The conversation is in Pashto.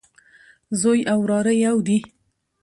زوی او وراره يودي